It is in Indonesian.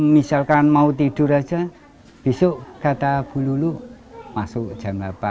misalkan mau tidur aja besok kata bu lulu masuk jam delapan